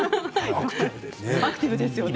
アクティブですね。